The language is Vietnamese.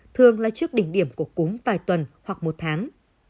thường là trước đỉnh điểm của cúng vài tuần hoặc một tháng